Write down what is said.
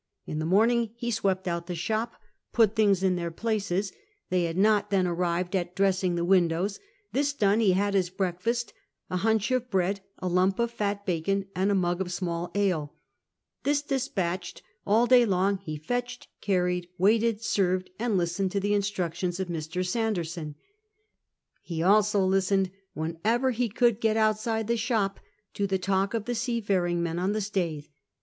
In the morning he swept out the shop, put things in their places — they had not then arrived at dressing the windows; this done, ho had liis breakfast — a hunch of bread, a lumi> of fat bacon, and a mug of small ale ; this despatched, all day long he fetched, cai'ried, waited, served, and listened to the instnictions of Mr. Sanderson. He also listened, whenever ho could get outside tlic shoj), to tlie talk of the seafaring men on the Staithe.